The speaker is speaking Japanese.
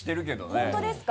本当ですか？